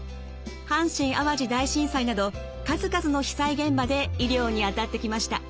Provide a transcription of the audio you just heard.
阪神淡路大震災など数々の被災現場で医療に当たってきました。